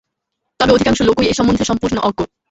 তবে অধিকাংশ লোকই এ-সম্বন্ধে সম্পূর্ণ অজ্ঞ।